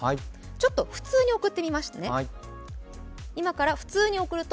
ちょっと普通に送ってみますね。